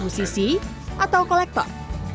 musisi atau kolektor